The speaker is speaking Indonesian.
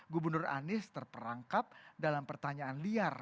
gubernur anies terperangkap dalam pertanyaan liar